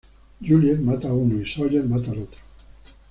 Juliet mata a uno y Sawyer mata al otro.